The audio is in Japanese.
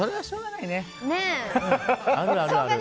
しょうがない？